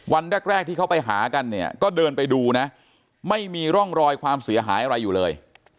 วันแรกที่เขาไปหากันเนี่ยก็เดินไปดูนะไม่มีร่องรอยความเสียหายอะไรอยู่เลย